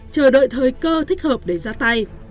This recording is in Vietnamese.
chờ đợi thời cơ thích hợp để ra tay